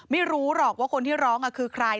ไม่รู้หรอกว่าคนที่ร้องคือใคร